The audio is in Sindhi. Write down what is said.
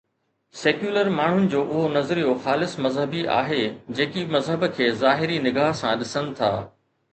سيڪيولر ماڻهن جو اهو نظريو خالص مذهبي آهي، جيڪي مذهب کي ظاهري نگاه سان ڏسن ٿا.